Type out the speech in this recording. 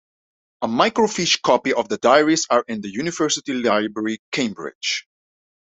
A microfiche copy of the diaries are in the University Library, Cambridge.